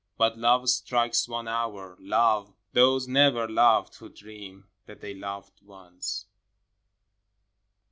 But love strikes one hour — Love. Those never loved, Who dream that they loved once.